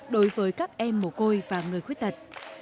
đối với các em mổ côi và người khuyết tật